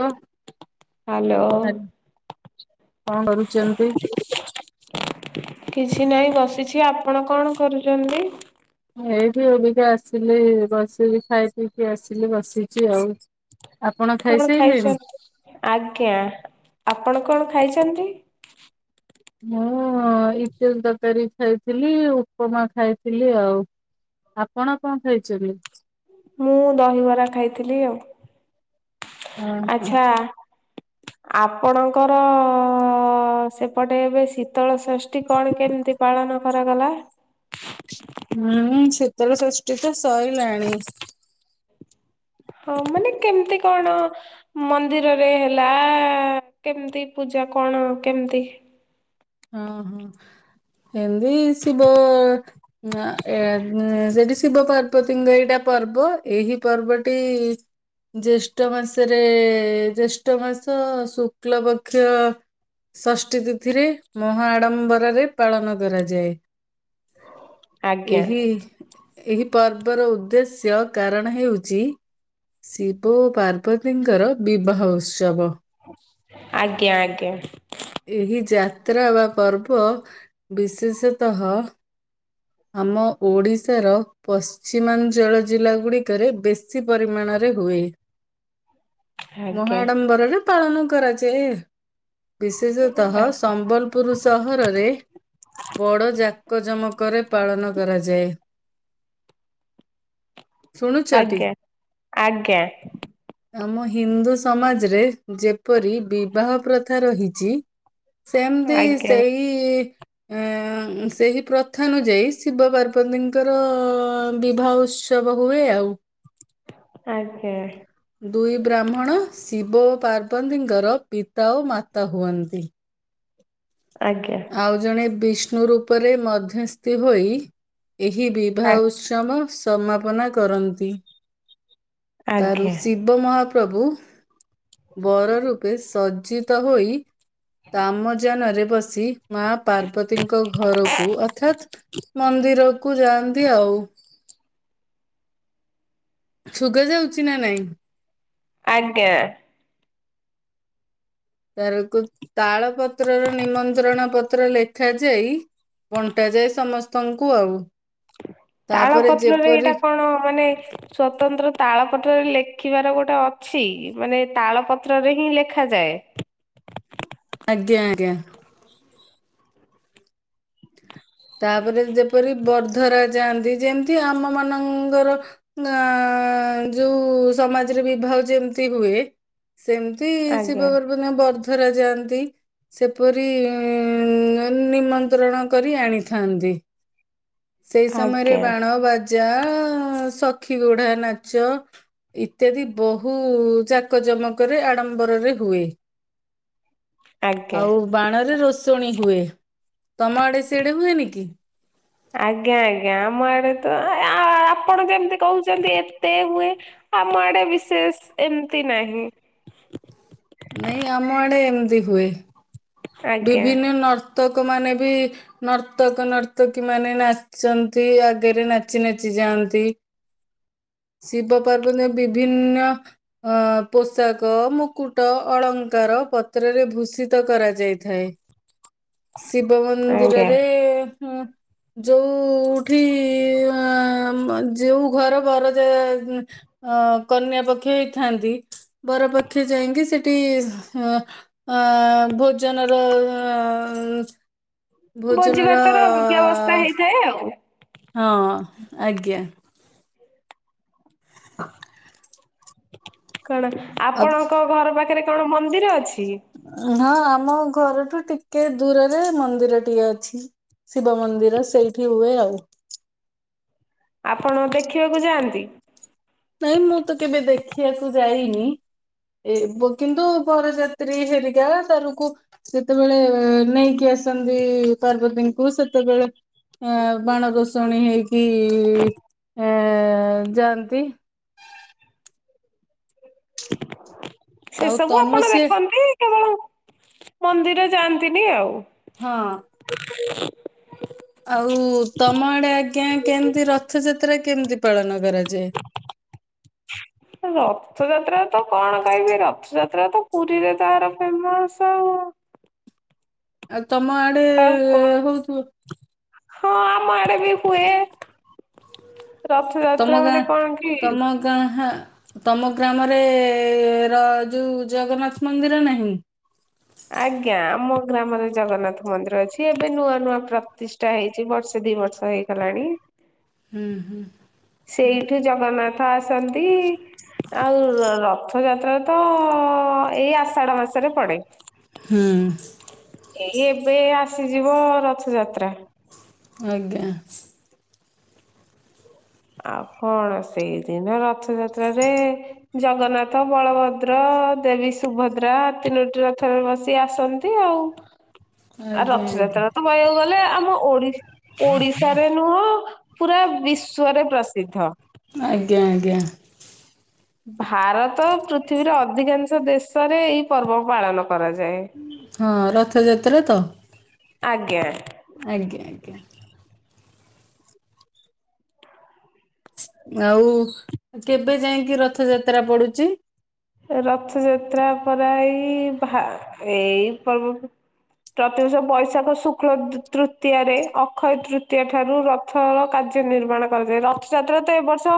ଓ hello. କଣ କରୁଛନ୍ତି? କିଛି ନାହିଁ ବସିଛି ଆପଣ କଣ କରୁଛନ୍ତି? ଏଇଠି ଅବିକା ଆସିଲି ବସିକି ଖାଇ ପିଇକି ଆସିଲି ବସିଛି ଆଉ। ଆପଣ କଣ ଖାଇସାଇଲେଣି? ଖାଇଛନ୍ତି ଆଜ୍ଞା ଆପଣ କଣ ଖାଇଛନ୍ତି? ମୁଁ ଇଟିଲି ତରକାରୀ ଖାଇଥିଲି ଉପମା ଖାଇଥିଲି ଆଉ। ଆପଣ କଣ ଖାଇଛନ୍ତି? ମୁଁ ଦହିବରା ଖାଇଥିଲି ଆଉ। ହଁ ହଁ। ଆଚ୍ଛା ଆପଣଙ୍କର ସେପଟେ ଏବେ ଶୀତଳ ସ ଷଷ୍ଠୀ କଣ କେମିତି ପାଳନ କରାଗଲା? ହୁଁ ଶୀତଳ ଷଷ୍ଠୀ ତ ସରିଲାଣି। ହଁ ମାନେ କେମିତି କଣ ମନ୍ଦିରରେ ହେଲା କେମତି ପୂଜା କଣ କେମିତି? ହଁ ହଁ ଏମତି ଶିବ ଆ ଏ ଇଁ ସେଇଠୀ ଶିବ ପାର ବତିଙ୍କ ଏଇଟା ପର୍ବ ଏହି ପର୍ବଟି ଜ୍ୟେଷ୍ଠ ମାସରେ ଜେଷ୍ଠ ମାସ ଶୁକ୍ଲ ପକ୍ଷ ଷଷ୍ଠୀ ତିଥିରେ ମହାଆଡ଼ମ୍ବରରେ ପାଳନ କରାଯାଏ। ଆଜ୍ଞା ଏହି ଏହି ପର୍ବର ଉଦ୍ଦେଶ୍ୟ କାରଣ ହେଉଛି ଶିବ ଓ ପାର୍ବତୀଙ୍କର ବିବାହ ଉତ୍ସବ। ଆଜ୍ଞା ଆଜ୍ଞା। ଏହି ଯାତ୍ରା ବା ପର୍ବ ବିଶେଷତଃ ଆମ ଓଡ଼ିଶାର ପଶ୍ଚିମାଞ୍ଚଳ ଜିଲ୍ଲା ଗୁଡିକରେ ବେଶୀ ପରିମାଣରେ ହୁଏ। ଆଜ୍ଞା। ମହାଡମ୍ବରରେ ପାଳନ କରାଯାଏ। ବିଶେଷତଃ ସମ୍ବଲପୁର ସହରରେ ବଡ଼ଯାକଜମକରେ ପାଳନ କରାଯାଏ। ଶୁଣୁଚ ଟି? ଆଜ୍ଞା ଆଜ୍ଞା ଆମ ହିନ୍ଦୁ ସମାଜରେ ଯେପରି ବିବାହ ପ୍ରଥା ରହିଛି। ସେମତି ଆଜ୍ଞା ସେଇ ସେହି ପ୍ରଥାନୁଯାୟୀ ଶିବ ପାର୍ବତୀଙ୍କର ବିବାହ ଉତ୍ସ ତ୍ସବ ହୁଏ ଆଉ। ଆଜ୍ଞା। ଦୁଇ ବ୍ରାହ୍ମଣ ଶିବ ଓ ପାର୍ବତୀଙ୍କର ପିତା ଓ ମାତା ହୁଅନ୍ତି। ଆଜ୍ଞା। ଆଉ ଜଣେ ବିଷ୍ଣୁ ରୂପରେ ମଧ୍ୟସ୍ଥି ହୋଇ ଏହି ବିବାହ ଆ- ଉତ୍ସ ଵ ସମାପନା କରନ୍ତି ତା ଆଜ୍ଞା। ୠଷି ଶିବ ମହାପ୍ରଭୁ ବର ରୂପେ ସଜ୍ଜିତ ହୋଇ ତାମଜାନରେ ବସି ମା ପାର୍ବତୀଙ୍କ ଘରକୁ ଅର୍ଥାତ୍ ମନ୍ଦିରକୁ ଯାଆନ୍ତି ଆଉ ସୁୁଭାଯାଉଛି ନା ନାଇଁ? ଆଜ୍ଞା। ତାରକୁ ତାଳ ପତ୍ରର ନିମନ୍ତ୍ରଣ ପତ୍ର ଲେଖା ଯାଇ ବଣ୍ଟାଯାଏ ସମସ୍ତଙ୍କୁ ଆଉ ତାଳ ତାପରେ ପତ୍ରରେ ଯେପରି ଏଇଟା କଣ ମାନେ? ସ୍ଵତନ୍ତ୍ର ତାଳପତ୍ରରେ ଲେଖିବାର ଗୋଟେ ଅଛି ମାନେ ତାଳପତ୍ରରେ ହିଁ ଲେଖାଯାଏ। ଆଜ୍ଞା ଆଜ୍ଞା। ତାପରେ ଯେପରି ବର୍ଦ୍ଧରାଯାଆନ୍ତି ଯେମିତି ଆମ ମାନଙ୍କର ଆ ଯୋଉ ସମାଜରେ ବିବାହ ଯେମିତି ହୁଏ। ସେମିତି ଆଜ୍ଞା ଶିବ ପାର୍ବତୀ ବର୍ଦ୍ଧରା ଯାଆନ୍ତି। ସେପରି ନିମନ୍ତ୍ରଣ କରି ଆଣି ଥାନ୍ତି ସେଇ ସମୟରେ ଆଜ୍ଞା ବାଣ ବା ଜା ସଖି ଗୁଢା ନାଚ ଇତ୍ୟାଦି ବହୁ ଚାକ ଜମକରେ ଆଡ଼ମ୍ବରରେ ହୁଏ। ଆଜ୍ଞା। ଆଉ ବାଣରେ ରୋଷଣୀ ହୁଏ ତମ ଆଡେ ସେ ହୁଏନି କି? ଆଜ୍ଞା ଆଜ୍ଞା ଆମ ଆଡେ ତ ଆପଣ ଯେମିତି କହୁଛନ୍ତି ଏତେ ହୁଏ? ଆମ ଆଡେ ବିଶେଷ ଏମିତି ନାହିଁ। ନାଇଁ ଆମ ଆଡେ ଏମିତି ହୁଏ ଆଜ୍ଞା। ବିଭିନ୍ନ ନର୍ତକ ମାନେ ବି ନର୍ତକ ନର୍ତକୀ ମାନେ ନାଚନ୍ତି ଆଗରେ ନାଚି ନାଚି ଯାଆନ୍ତି। ଶିବ ପାର୍ବତୀଙ୍କ ବିଭିନ୍ନ ଅ ପୋଷାକ ମୁକୁଟ ଅଳଙ୍କାର ପତ୍ରରେ ଭୂଷିତ କରାଯାଇ ଥାଏ ଶିବ ଆଜ୍ଞା। ମନ୍ଦିରରେ ହୁ। ଯୋଉଠି ଯୋଉ ଘର ବର ଯାଏ ଅ କନ୍ୟା ପକ୍ଷ ଥାଆନ୍ତି ବର ପକ୍ଷ ଯାଇକି ସେଠି ଅ ଅ ଭୋଜନର ଭୋଜି ଭୋଜନ ର ଭାତର ବ୍ୟବସ୍ଥା ହେଇଥାଏ ଆଉ। ହଁ ଆଜ୍ଞା। ହ କଣ ଅ- ଆପଣଙ୍କ ଘର ପାଖରେ କଣ ମନ୍ଦିର ଅଛି? ହଁ ଆମ ଘରଠୁ ଟିକେ ଦୂରରେ ମନ୍ଦିର ଟିଏ ଅଛି। ଶିବ ମନ୍ଦିର ସେଇଠି ହୁଏ ଆଉ ଆପଣ ଦେଖିବାକୁ ଯାଆନ୍ତି? ନାଇଁ ମୁଁ ତ କେବେ ଦେଖିବାକୁ ଯାଇନି? ଏ କିନ୍ତୁ ବରଯାତ୍ରୀ ହେରିକା ତରକୁ ଯେତେବେଳେ ନେଇକି ଆସନ୍ତି ପାର୍ବତୀଙ୍କୁ ସେତେବେଳେ ଅ ବାଣ ରୋସଣୀ ହେଇକି ଏ ଯାଆନ୍ତି [unintelligible] ସେ ଆଉ ସବୁ ତମ ଆପଣ ସେ ଦେଖନ୍ତି କେବଳ ମନ୍ଦିର ଯାଆନ୍ତିନି ଆଉ। ହଁ। [unintelligible] ଆଉ ତମ ଆଡେ ଆଜ୍ଞା କେମତି ରଥଯାତ୍ରା କେମିତି ପାଳନ କରାଯାଏ? ରଥଯାତ୍ରା ତ କଣ କହିବି ରଥଯାତ୍ରା ତ ପୁରୀରେ ତାର ଫେମସ ଆଉ। ଆଉ ତମ ଆଡେ ଆଉ କଣ ହଉଥିବ। ହଁ ଆମ ଆଡେ ବି ହୁଏ ରଥଯାତ୍ରା ମାନେ କଣ କି କଣ ହଁ ତମ ଗ୍ରାମରେ ର ଯୋଉ ଜଗନ୍ନାଥ ମନ୍ଦିର ନାହିଁ। ଆଜ୍ଞା ଆମ ଗ୍ରାମରେ ଜଗନ୍ନାଥ ମନ୍ଦିର ଅଛି ଏବେ ନୂଆ ନୂଆ ପ୍ରତିଷ୍ଠା ହେଇଛି ବର୍ଷେ ଦି ବର୍ଷ ହେଇଛି। ହେଲାଣି। ହୁଁ ହୁଁ। ସେଇଠୁ ଜଗନ୍ନାଥ ଆସନ୍ତି। ଆଉ ରଥଯାତ୍ରା ତ ଏଇ ଆଷାଡ଼ ମାସରେ ପଡେ। ହୁଁ। ଏଇ ଏବେ ଆସିଯିବ ରଥଯାତ୍ରା। ଆଜ୍ଞା। ଆଉ କଣ ସେଇଦିନ ରଥଯାତ୍ରାରେ ଜଗନ୍ନାଥ ବଳଭଦ୍ର ଦେବୀ ସୁଭଦ୍ରା ତିନୋଟି ରଥରେ ବସି ଆସନ୍ତି ଆଉ। [unintelligible] ଆ ଆଜ୍ଞା ରଥଯାତ୍ରା ତ କହିୟା କୁ ଗଲେ ଆମ ଓଡି ଓଡିଶାରେ ନୁହଁ ପୁରା ବିଶ୍ ବିଶ୍ୱରେ ପ୍ରସିଦ୍ଧ। ଆଜ୍ଞା ଆଜ୍ଞା। ଭାରତ ପୃଥିବୀର ଅଧିକାଂଶ ଦେଶରେ ଏଇ ପର୍ବ ପାଳନ କରାଯାଏ। ହଁ ରଥଯାତ୍ରା ତ ଆଜ୍ଞା। ଆଜ୍ଞା ଆଜ୍ଞା। ଆଉ କେବେ ଯାଇକି ରଥଯାତ୍ରା ପଡୁଚି। ରଥଯାତ୍ରା ପରା ଏଇ ଭା ଏଇ ପର୍ବ ପ୍ରତିବର୍ଷ ବୈଶାଖ ଶୁକ୍ଳ ତୃତୀୟାରେ ଅକ୍ଷୟ ତୃତୀୟ ଠାରୁ ର ରଥର କାର୍ଯ୍ୟ ନିର୍ମାଣ କରାଯାଏ ରଥଯାତ୍ରା ତ ଏ ବର୍ଷ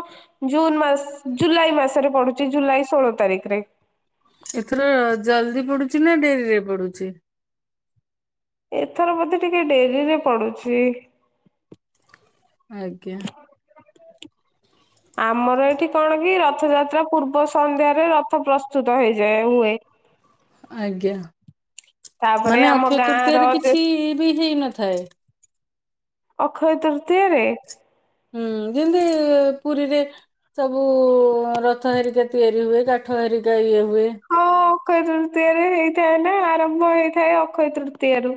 ଜୁନ ମାସ ଜୁଲାଇ ମାସରେ ପଢୁଚି ଜୁଲାଇ ଷୋହଳ ତାରିଖରେ। ଏଥର ଜଲଦି ପଡୁଛି ନା ଡେରି ରେ ପଡୁଛି? ଏଥର ବୋଧେ ଟିକେ ଡେରି ରେ ପଡୁଛି। ଆଜ୍ଞା। ଆମର ଏଠି କଣ କି ରଥଯାତ୍ରା ପୂର୍ବ ସନ୍ଧ୍ୟାରେ ରଥ ପ୍ରସ୍ତୁତ ହେଇଯାଏ ହୁଏ। ଆଜ୍ଞା ତାପରେ ମାନେ ଆମ ଅକ୍ଷୟ ଗାଁ ର ତୃତୀୟାରେ ଯେ କିଛି ବି ହେଇନଥାଏ। ଅକ୍ଷୟ ତୃତୀୟାରେ ହୁଁ ଯେମିତି ପୁରୀରେ ସବୁ ରଥ ହେରୀକା ତିଆରି ହୁଏ କାଠୁ ହରିକା ଇଏ ହୁଏ। ହଁ ଅକ୍ଷୟ ତୃତୀୟରେ ହେଇଥାଏ ନା ଆରମ୍ଭ ହେଇଥାଏ ଅକ୍ଷୟ ତୃତୀୟା ରୁ।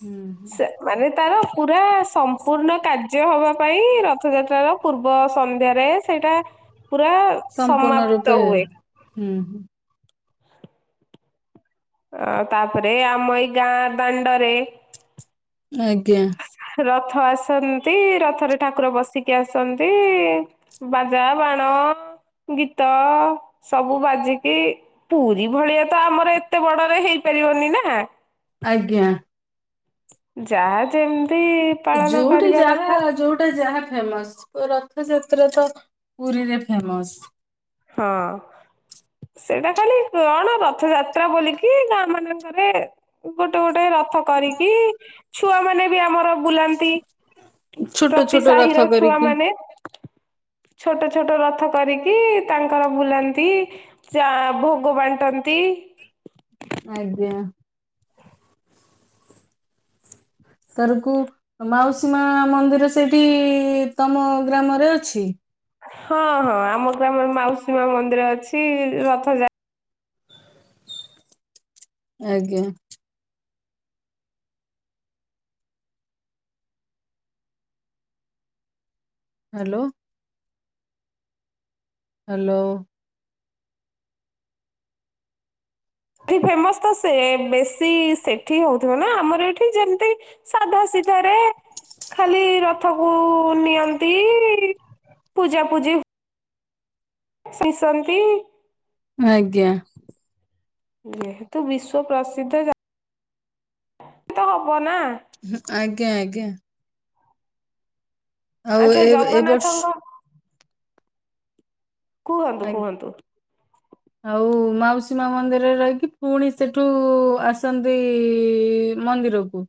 ହୁଁ ହୁଁ। ମାନେ ତାର ପୁରା ସମ୍ପୂର୍ଣ୍ଣ କାର୍ଯ୍ୟ ହବା ପାଇଁ ରଥଯାତ୍ରାର ପୂର୍ବ ସନ୍ଧ୍ୟାରେ ସେଇଟା ପୁରା ସମ୍ପୂର୍ଣ୍ଣ ରୂପେ ସମାପ୍ତ ହୁଏ। ହୁଁ ହୁଁ। ଆ ତାପରେ ଆମ ଏଇ ଗାଁ ଦାଣ୍ଡରେ ଆଜ୍ଞା। ରଥ ଆସନ୍ତି, ରଥରେ ଠାକୁର ବସିକି ଆସନ୍ତି। ବାଜା, ବାଣ, ଗୀତ ସବୁ ବାଜିକି ପୁରୀ ଭଳିଆ ତ ଆମର ଏତେ ବଡରେ ହେଇପାରିବନି ନା! ଆଜ୍ଞା। ଯାହା ଯେମିତି ପାଳନ ଯୋଉଠି କରିବା ଯାହା କଥା ଯୋଉଟା ଯାହା ଫେମସ୍। [unintelligible] ରଥଯାତ୍ରା ତ ପୁରୀରେ ଫେମସ୍। ହଁ। ସେଇଟା ଖାଲି କଣ ରଥଯାତ୍ରା ବୋଲିକି ଗାଁ ମାନଙ୍କରେ ଗୋଟେ ଗୋଟେ ରଥ କରିକି, ଛୁଆମାନେ ବି ଆମର ବୁଲାନ୍ତି, ଛୋଟ ପ୍ରତି ଛୋଟ ରଥ ସାାହିର ଛୁଆ କରିକି। ମାନେ ଛୋଟ ଛୋଟ ରଥ କରିକି ତାଙ୍କର ବୁଲାନ୍ତି ଚା ଭୋଗ ବାଣ୍ଟନ୍ତି। ଆଜ୍ଞା। ତରକୁ ମାଉସୀ ମା ମନ୍ଦିର ସେଇଠି ତମ ଗ୍ରାମରେ ଅଛି? ହଁ ହଁ ଆମ ଗ୍ରାମରେ ମାଉସୀ ମା ମନ୍ଦିର ଅଛି ରଥଯା ଆଜ୍ଞା। ହାଲୋ। ହାଲୋ। ଏଠି ଫେମସ ତ ସେ ବେଶୀ ସେଠି ହଉଥିବ ନା! ଆମର ଏଠି ଯେମତି ସାଧା ସିଧାରେ ଖାଲି ରଥକୁ ନିଅନ୍ତି, ପୂଜା ପୂଜି [unintelligible] ଆଜ୍ଞା। ଯେହେତୁ ବିଶ୍ଵ ପ୍ରସିଦ୍ଧ ଯା ତ ହବ ନା! ଉଁ ହୁଁ ଆଜ୍ଞା ଆଜ୍ଞା। ଆଉ ଆଚ୍ଛା ଏ ଏ ବର୍ଷ ଜଗନ୍ନାଥଙ୍କ କୁହନ୍ତୁ ଆଜ୍ଞା। କୁହନ୍ତୁ ଆଉ ମାଉସୀ ମା ମନ୍ଦିରରେ ରହିକି, ପୁଣି ସେଠୁ ଆସନ୍ତି ମନ୍ଦିରକୁ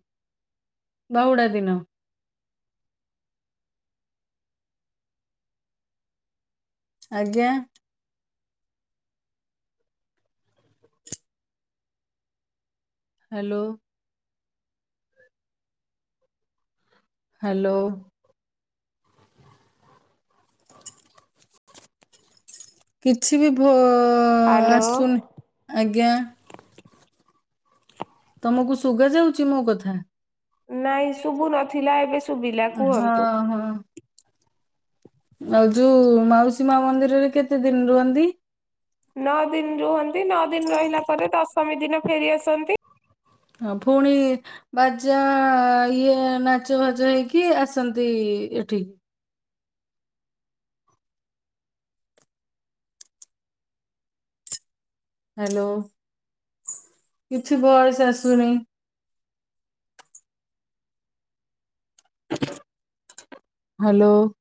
ବାହୁଡା ଦିନ। ଆଜ୍ଞା। ହ୍ୟାଲୋ। ହ୍ୟାଲୋ। କିଛି ବି ଭୋ ହାଲୋ ଆସୁନି, ଆଜ୍ଞା। ତମକୁ ଶୁଗା ଯାଉଚି ମୋ କଥା? ନାଇଁ ଶୁଭୁ ନଥିଲା ଏବେ ଶୁବିଲା ହଁ କୁହନ୍ତୁ। ହଁ ଆଉ ଯୋଉ ମାଉସୀ ମା ମନ୍ଦିରରେ କେତେ ଦିନ ରୁହନ୍ତି? ନଅ ଦିନ ରୁହନ୍ତି, ନଅ ଦିନ ରହିଲା ପରେ ଦଶମୀ ଦିନ ଫେରି ଆସନ୍ତି। ହଁ ଫୁଣି ବାଜା ଇଏ ନାଚ ଫାଚ ହେଇକି ଆସନ୍ତି ଏଠିକି। ହାଲୋ, କିଛି ବଏସ୍ ଆସୁନି। [inaudible]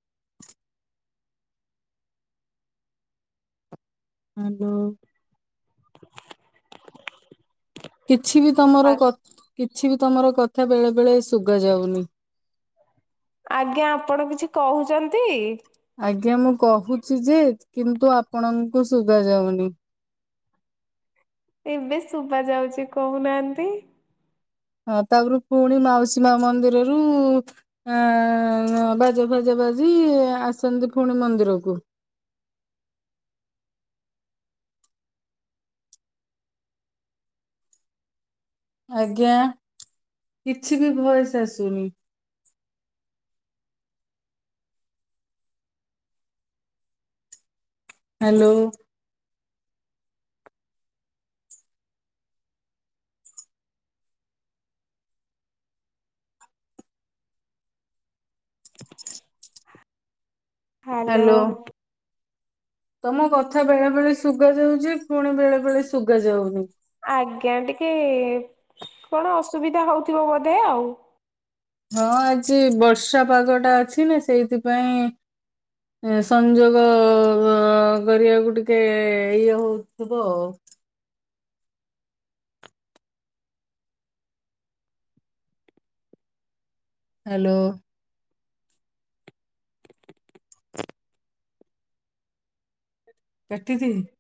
[inaudible] କିଛି ବି ତମର କ କିଛି ବି ତମର କଥା ବେଳେ ବେଳେ ଶୁଗା ଯାଉନି। ଆଜ୍ଞା, ଆପଣ କିଛି କହୁଚନ୍ତି। ଆଜ୍ଞା, ମୁଁ କହୁଚି ଯେ କିନ୍ତୁ ଆପଣଙ୍କୁ ଶୁଗା ଯାଉନି। ଏବେ ଶୁବା ଯାଉଚି, କହୁ ନାଆନ୍ତି। ହଁ, ତା ଗୁରୁ ପୁଣି ମାଉସୀ ମା ମନ୍ଦିରରୁ ଆଁ ବାଜା ଫାଜା ବାଜି ଆସନ୍ତି ଫୁଣି ମନ୍ଦିରକୁ। ଆଜ୍ଞା, କିଛି ବି ଭଏସ୍‌ ଆସୁନି। ହାଲୋ। ହାଲୋ। ହ୍ୟାଲୋ। ତମ କଥା ବେଳେ ବେଳେ ଶୁଗା ଯାଉଚି, ପୁଣି ବେଳେ ବେଳେ ଶୁଗା ଯାଉନି। ଆଜ୍ଞା, ଟିକେ କ'ଣ ଅସୁବିଧା ହଉଥିବ ବଧେ ଆଉ। ହଁ ଆଜି ବର୍ଷା ପାଗ ଟା ଅଛି ନା, ସେଇଥି ପାଇଁ। ସଂଯୋଗ ଗରିବାକୁ ଟିକେ ଇଏ ହଉଥୁବ ଆଉ। ହାଲୋ। [inaudible]